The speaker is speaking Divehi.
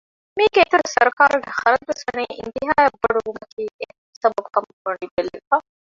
މީގެ އިތުރަށް ސަރުކާރުގެ ޚަރަދުވެސް ވަނީ އިންތިހާއަށް ބޮޑު ވުމަކީވެސް އެއް ސަބަބު ކަމަށް ވަނީ ބެލެވިފަ